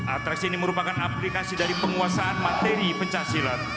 atraksi ini merupakan aplikasi dari penguasaan materi pencah silat